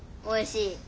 おいしい！